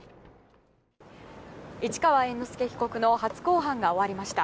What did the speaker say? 市川猿之助被告の初公判が終わりました。